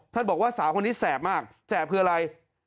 บอกว่าสาวคนนี้แสบมากแสบคืออะไร